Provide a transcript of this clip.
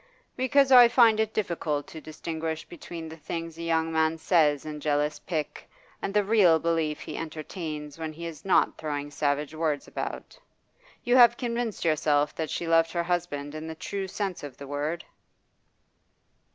'Because I find it difficult to distinguish between the things a young man says in jealous pique and the real belief he entertains when he is not throwing savage words about. You have convinced yourself that she loved her husband in the true sense of the word?